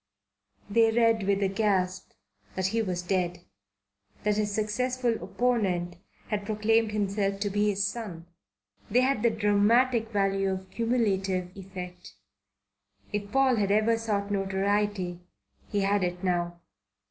They read, with a gasp, that he was dead; that his successful opponent had proclaimed himself to be his son. They had the dramatic value of cumulative effect. If Paul had ever sought notoriety he had it now.